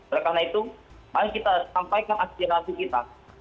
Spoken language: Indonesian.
oleh karena itu mari kita sampaikan aspirasi kita